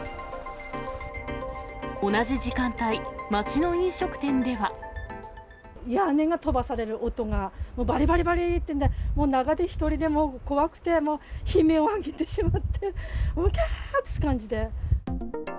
同じ時間帯、屋根が飛ばされる音が、ばりばりばりっていうんで、もう中で一人でもう怖くて、もう悲鳴を上げてしまって、きゃーって感じで。